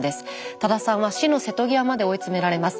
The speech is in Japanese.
多田さんは死の瀬戸際まで追い詰められます。